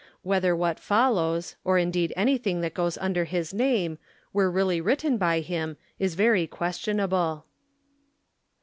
Whether what follows, or indeed anything that goes under his name, were really written by him is very questionable.